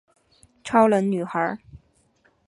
超能女孩。